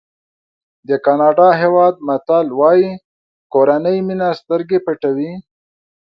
د ګاڼډا هېواد متل وایي کورنۍ مینه سترګې پټوي.